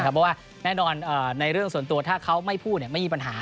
เพราะว่าแน่นอนในเรื่องส่วนตัวถ้าเขาไม่พูดไม่มีปัญหา